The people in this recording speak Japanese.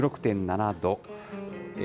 １６．７度。